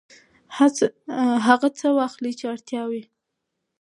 هغه څه واخلئ چې اړتیا وي.